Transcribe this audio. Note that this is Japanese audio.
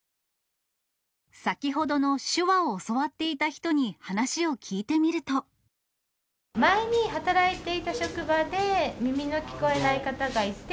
先ほどの手話を教わっていた前に働いていた職場で、耳の聞こえない方がいて。